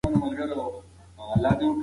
تر هغه چې ژوندي یو ټولنیز عمل کوو.